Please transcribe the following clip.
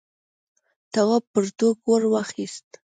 تواب پرتوگ ور واخیست.